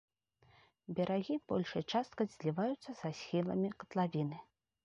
Берагі большай часткай зліваюцца са схіламі катлавіны.